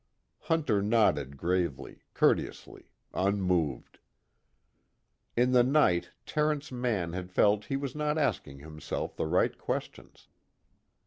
Hunter nodded gravely, courteously, unmoved. In the night, Terence Mann had felt he was not asking himself the right questions.